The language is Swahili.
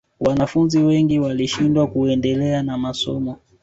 wanafunzi wengi walishindwa kuendelea na masomo